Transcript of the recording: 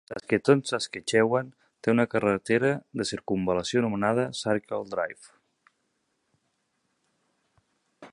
Saskatoon, Saskatchewan té una carretera de circumval·lació anomenada Circle Drive.